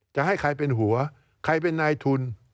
จะให้ใครเป็นหัวใครเป็นนายทุน